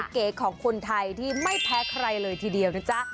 เก๋ของคนไทยที่ไม่แพ้ใครเลยทีเดียวนะจ๊ะ